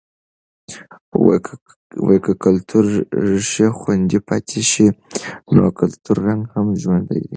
که که د کلتور ریښې خوندي پاتې شي، نو کلتوری رنګ هم ژوندی دی.